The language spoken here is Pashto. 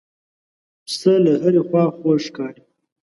پسه له هرې خوا خوږ ښکاري.